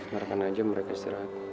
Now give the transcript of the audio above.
mereka aja mereka istirahat